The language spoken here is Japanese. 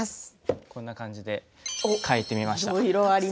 こんな感じで書いてみました。